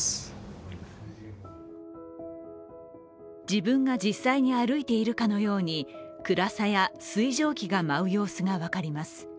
自分が実際歩いているかのように暗さや、水蒸気が舞う様子が分かります。